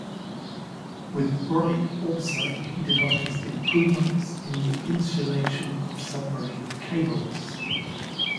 With Bright also he devised improvements in the insulation of submarine cables.